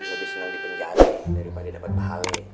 lebih seneng dipenjali daripada dapet pahali